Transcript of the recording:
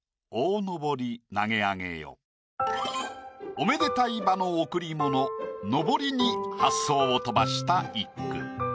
おめでたい場の贈り物幟に発想を飛ばした一句。